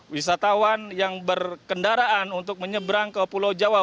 wisatawan yang berkendaraan untuk menyeberang ke pulau jawa